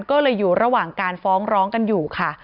ก็เลยอยู่ระหว่างการฟ้องร้องกันอยู่ค่ะ